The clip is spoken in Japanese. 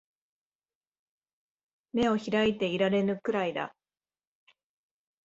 眼を開いていられぬくらいだ